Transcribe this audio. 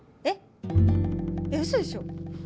えっうそでしょ？